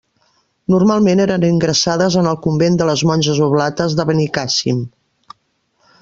Normalment eren ingressades en el convent de les monges oblates de Benicàssim.